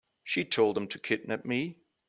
She told them to kidnap me.